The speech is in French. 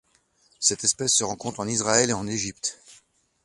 Cette espèce se rencontre en Israël et en Égypte.